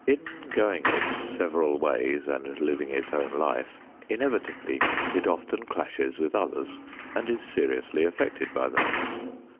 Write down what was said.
In going its several ways and living its own life, inevitably it often clashes with others and is seriously affected by them.